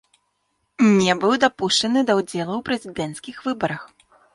Не быў дапушчаны да ўдзелу ў прэзідэнцкіх выбарах.